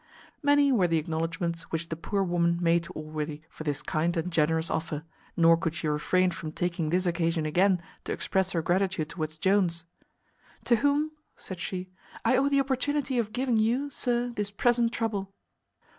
Many were the acknowledgments which the poor woman made to Allworthy for this kind and generous offer, nor could she refrain from taking this occasion again to express her gratitude towards Jones, "to whom," said she, "I owe the opportunity of giving you, sir, this present trouble."